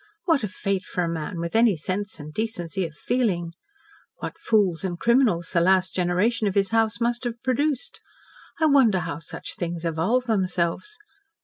What a fate for a man with any sense and decency of feeling! What fools and criminals the last generation of his house must have produced! I wonder how such things evolve themselves.